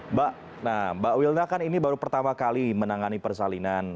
mbak nah mbak wilna kan ini baru pertama kali menangani persalinan